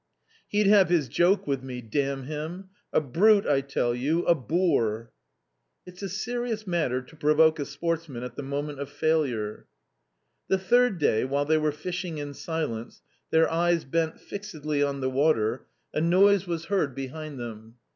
He'd have his joke with me, damn him ! a brute, I tell you, a boor !" It's a serious matter to provoke a sportsman at the moment of failure ! The third day, while they were fishing in silence, their eyes bent fixedly on the water, a noise was heard behind A COMMON STORY 207 them.